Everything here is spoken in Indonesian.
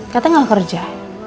katanya nggak kerja